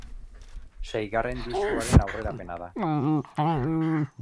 Seigarren diskoaren aurrerapena da.